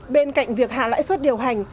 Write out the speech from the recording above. bên cạnh việc hạ lãi suất điều hành